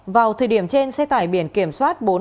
vào thời điểm trên xe tải biển kiểm soát bốn trăm tám mươi ba